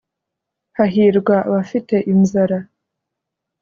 hahirwa abafite inzara